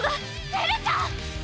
エルちゃん！